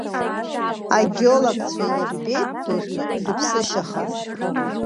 Агеологцәа ирбеит досу ирԥсышьахазгьы.